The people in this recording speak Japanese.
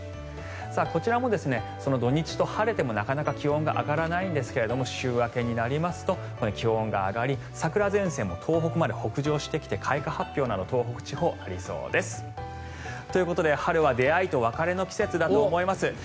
こちらも土日と晴れてもなかなか気温が上がらないんですが週明けになりますと気温が上がり桜前線も東北まで北上してきて開花発表など東北地方でありそうです。ということで春は出会いと別れの季節だと思います。